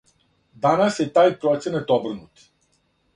Данас је тај проценат обрнут.